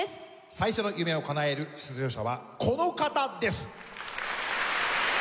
最初の夢をかなえる出場者はこの方です！